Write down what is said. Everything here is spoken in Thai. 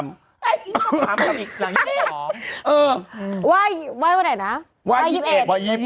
เอ๊ะหลังเออว่ายว่ายวันไหนนะว่ายยี่สิบเอ็ดว่ายยี่สิบเอ็ด